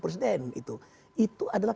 presiden itu adalah